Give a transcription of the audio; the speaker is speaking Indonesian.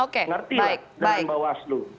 kita ngerti ya dengan bawas lu